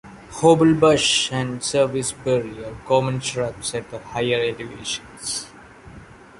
Hobblebush and serviceberry are common shrubs at the higher elevations.